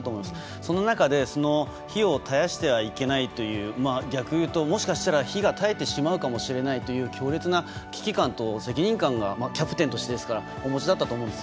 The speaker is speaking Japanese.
その中で、その火を絶やしてはいけないという逆を言うともしかすると火が絶えてしまうという強烈な危機感と責任感をキャプテンとしてお持ちだったと思います。